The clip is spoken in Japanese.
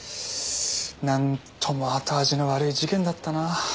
なんとも後味の悪い事件だったな